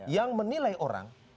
yang menilai orang